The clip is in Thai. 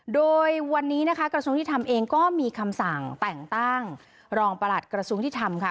โดยวันนี้นะคะกระทรวงยุทธรรมเองก็มีคำสั่งแต่งตั้งรองประหลัดกระทรวงยุติธรรมค่ะ